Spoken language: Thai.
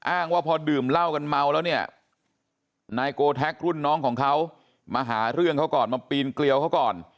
อ้างว่าพอดื่มเหล้ากันเมาแล้วเนี่ยนายโกแท็กรุ่นน้องของเขามาหาเรื่องเขาก่อนมาปีนเกลียวเขาก่อน